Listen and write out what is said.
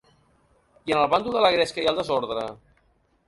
I en el bàndol de la gresca i el desordre?